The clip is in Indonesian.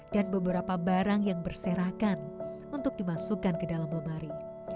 dan beberapa barang yang berserahkan untuk dimasukkan ke dalam lemari